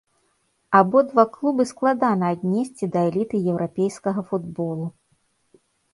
Абодва клубы складана аднесці да эліты еўрапейскага футболу.